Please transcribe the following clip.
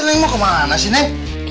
neng mau ke mana sih neng